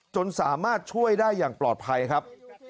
จนสามารถช่วยได้อย่างปลอดภัยครับ